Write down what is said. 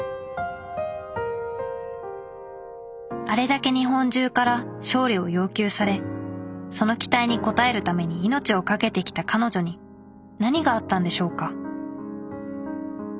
あれだけ日本中から勝利を要求されその期待に応えるために命を懸けてきた彼女に何があったんでしょうか？